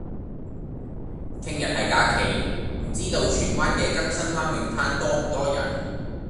聽日係假期，唔知道荃灣嘅更生灣泳灘多唔多人？